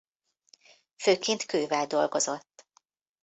Főként kővel dolgozott.